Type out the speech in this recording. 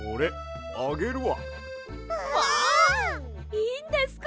いいんですか！？